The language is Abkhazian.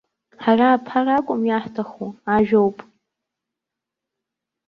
Ҳара аԥаракәым иаҳҭаху, ажәоуп.